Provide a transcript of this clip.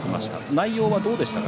内容はどうでしたか？